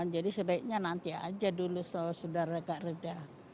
jadi sebaiknya nanti aja dulu sudah agak reda